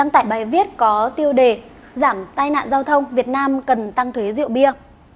tại bài viết có tiêu đề giảm tai nạn giao thông việt nam cần tăng thuế rượu bia